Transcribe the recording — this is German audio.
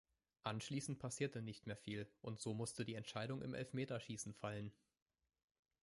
Anschließend passierte nicht mehr viel, und so musste die Entscheidung im Elfmeterschießen fallen.